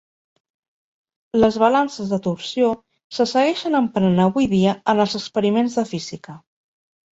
Les balances de torsió se segueixen emprant avui dia en els experiments de física.